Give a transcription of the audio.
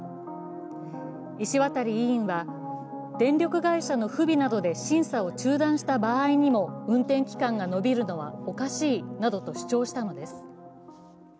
石渡委員は電力会社の不備などで審査を中止した場合にも運転期間が延びるのはおかしいなどと主張したのです。